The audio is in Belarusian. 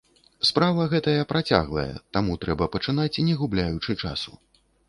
Справа гэтая працяглая, таму трэба пачынаць не губляючы часу.